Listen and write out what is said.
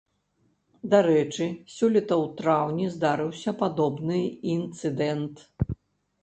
Дарэчы, сёлета ў траўні здарыўся падобны інцыдэнт.